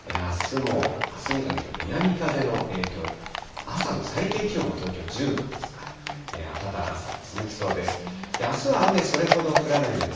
あすにかけて南風の影響で、朝の最低気温も東京１０度ですから、暖かさは続きそうです。